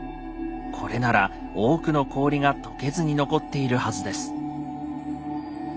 これなら多くの氷が解けずに残っているはずです。